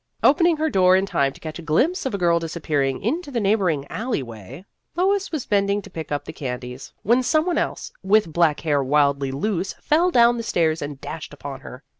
Opening her door in time to catch a glimpse of a girl disappearing into the neighboring alley way, Lois was bending to pick up the candies, when some one else with black hair wildly loose flew down the stairs, and dashed up to her.